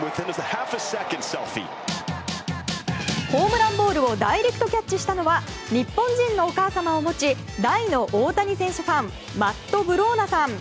ホームランボールをダイレクトキャッチしたのは日本人のお母さまを持ち大の大谷選手ファンマット・ブローナさん。